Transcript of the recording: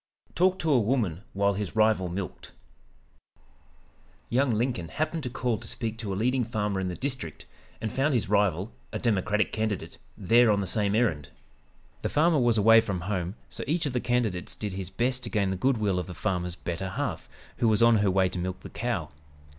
'" TALKED TO A WOMAN WHILE HIS RIVAL MILKED Young Lincoln happened to call to speak to a leading farmer in the district, and found his rival, a Democratic candidate, there on the same errand. The farmer was away from home, so each of the candidates did his best to gain the good will of the farmer's "better half," who was on her way to milk the cow.